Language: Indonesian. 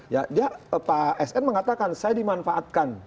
ya dia pak sn mengatakan saya dimanfaatkan